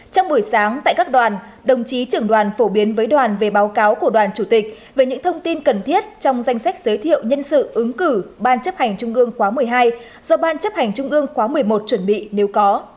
trong buổi sáng tại các đoàn đồng chí trưởng đoàn phổ biến với đoàn về báo cáo của đoàn chủ tịch về những thông tin cần thiết trong danh sách giới thiệu nhân sự ứng cử ban chấp hành trung ương khóa một mươi hai do ban chấp hành trung ương khóa một mươi một chuẩn bị nếu có